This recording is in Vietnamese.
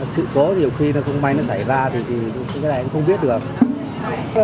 sự cố nhiều khi nó không may nó xảy ra thì cái này cũng không biết được